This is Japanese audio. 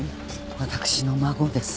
私の孫です。